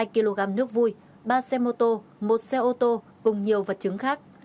hai kg nước vui ba xe mô tô một xe ô tô cùng nhiều vật chứng khác